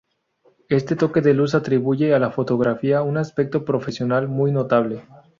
Este toque de luz atribuye a la fotografía un aspecto profesional muy notable.